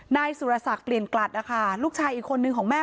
นายสุรศักดิ์เปลี่ยนกลัดนะคะลูกชายอีกคนนึงของแม่